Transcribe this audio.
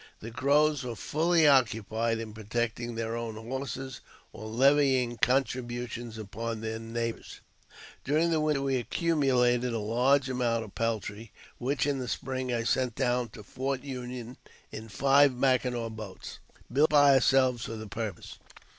The Crows were fully occupied in protecting their own horses, or levying contribu tions upon their neighbours. During the winter we accumulated a large amount of peltry, which in the spring I sent down to Fort Union in five Mackinaw boats, built by ourselves for the purpose.